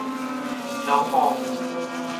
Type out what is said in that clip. น้องหม่อง